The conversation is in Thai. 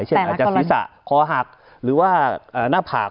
อาจจะศีรษะคอหักหรือว่าหน้าผาก